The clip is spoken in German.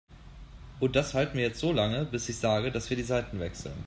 Und das halten wir jetzt so lange, bis ich sage, dass wir die Seiten wechseln.